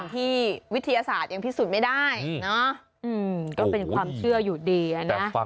ที่วิทยาศาสตร์ยังพิสูจน์ไม่ได้ก็เป็นความเชื่ออยู่ดีนะ